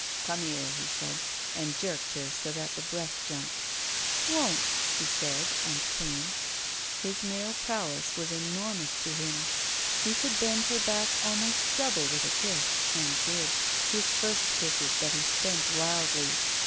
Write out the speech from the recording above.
''Come here," he said, and jerked her so that the breath jumped. Won't," she said, and came. His male prowess was enormous to him. He could bend her back almost double with a kiss, and did. His first kisses that he spent wildly.